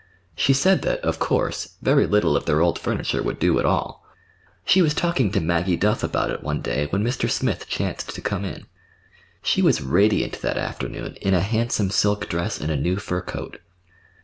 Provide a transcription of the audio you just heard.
She said that, of course, very little of their old furniture would do at all. She was talking to Maggie Duff about it one day when Mr. Smith chanced to come in. She was radiant that afternoon in a handsome silk dress and a new fur coat.